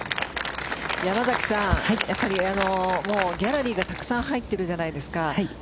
山崎さんギャラリーがたくさん入ってるじゃないですか。